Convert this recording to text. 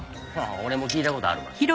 俺も聞いた事あるわ。